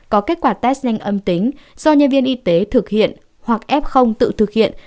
có kết quả test nhanh âm tính do nhân viên y tế thực hiện hoặc f tự thực hiện